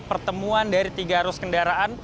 pertemuan dari tiga arus kendaraan